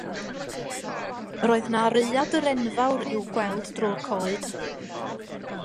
Mi oedd yna raeadr enfawr i'w gweld drwy'r coed.